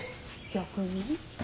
逆に？